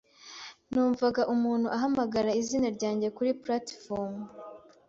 Numvaga umuntu uhamagara izina ryanjye kuri platifomu.